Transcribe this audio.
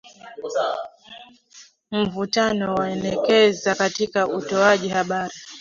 Mvutano waongezeka katika utoaji habari